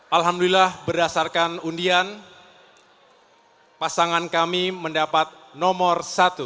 alhamdulillah berdasarkan undian pasangan kami mendapat nomor satu